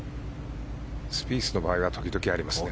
スピースの場合は時々ありますね。